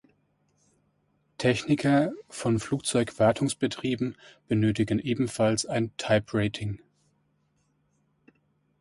Techniker von Flugzeug-Wartungsbetrieben benötigen ebenfalls ein Type Rating.